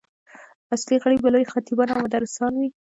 اصلي غړي به لوی خطیبان او مدرسان وي.